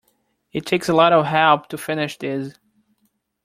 It takes a lot of help to finish these.